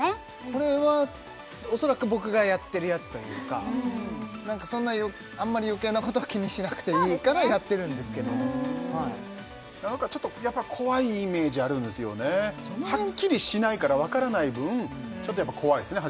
これは恐らく僕がやってるやつというか何かそんなあんまり余計なことは気にしなくていいからやってるんですけど何かちょっとやっぱり怖いイメージあるんですよねはっきりしないから分からない分ちょっとやっぱ怖いですね